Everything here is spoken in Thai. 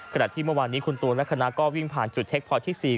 ที่เมื่อวานนี้คุณตูนและคณะก็วิ่งผ่านจุดเช็คพอยที่๔